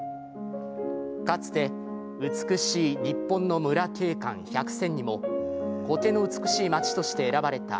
かつて美しい日本のむら景観百選にも苔の美しい街として選ばれた